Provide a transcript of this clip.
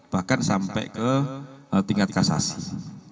bahkan sampai ke tingkat kasasi